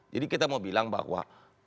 jadi kita mau bilang bahwa